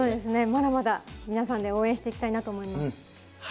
まだまだ皆さんで応援していきたいなと思います。